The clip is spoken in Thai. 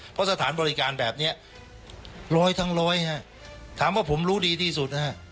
เพราะสถานบริการแบบนี้ร้อยทั้งร้อยฮะถามว่าผมรู้ดีที่สุดนะฮะ